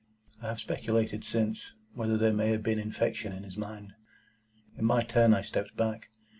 I have speculated since, whether there may have been infection in his mind. In my turn, I stepped back.